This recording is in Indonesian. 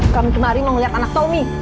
kamu kemarin mau ngeliat anak tommy